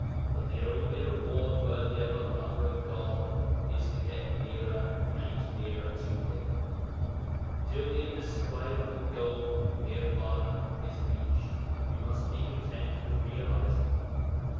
But the only reward worthy of a lover of God is to get nearer and nearer to Him. Till the indescribable goal (Nirvana) is reached, we must be content with realizing.